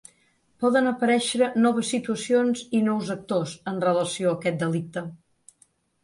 Poden aparèixer noves situacions i nous actors en relació amb aquest delicte.